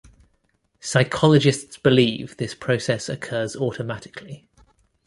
Psychologists believe this process occurs automatically.